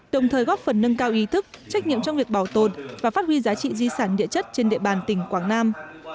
đồng thời góp phần nâng cao ý thức trách nhiệm trong việc bảo tồn và phát huy giá trị di sản địa chất trên địa bàn tỉnh quảng nam